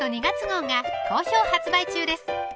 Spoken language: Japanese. ２月号が好評発売中です